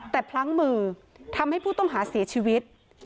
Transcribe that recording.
แต่พลั้งมือทำให้ผู้ต้องหาเสียชีวิต